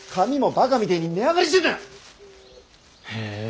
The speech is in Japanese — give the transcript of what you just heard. へえ